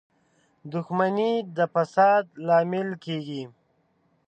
• دښمني د فساد لامل کېږي.